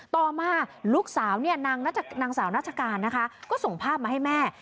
ต่อมาลูกสาวเนี่ยนางสาวนัชการนะคะก็ส่งภาพมาให้แม่